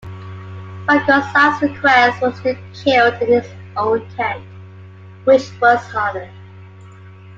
Franco's last request was to be killed in his own tent, which was honored.